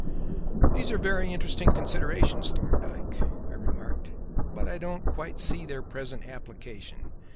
"These are very interesting considerations, Thorndyke," I remarked; "but I don't quite see their present application.